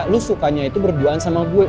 lu sukanya itu berduaan sama gue